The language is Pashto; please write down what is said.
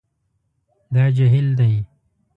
دا جهیل دی